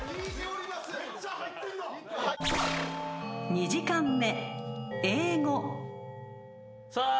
［２時間目］